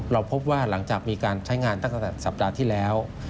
เราพบว่าหลังจากมีการใช้งานตั้งแต่สัปดาห์ที่แล้ว